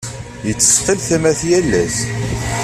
Yettseṭṭil tamar yal ass.